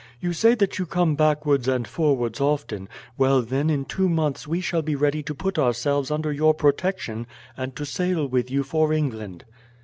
You say that you come backwards and forwards often, well then in two months we shall be ready to put ourselves under your protection and to sail with you for England."